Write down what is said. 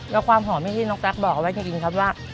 แล้วความหอมที่น้องจั๊กบ่าวเอาไว้กินครับล่ะ